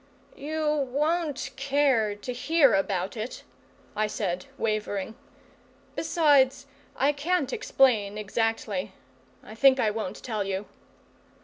"You won't care to hear about it," I said, wavering. "Besides, I can't explain exactly. I think I won't tell you."